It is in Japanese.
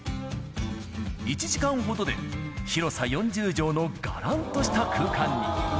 １時間ほどで広さ４０畳のがらんとした空間に。